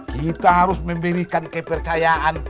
kita harus memberikan kepercayaan